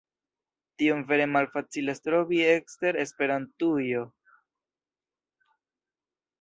Tion vere malfacilas trovi ekster Esperantujo.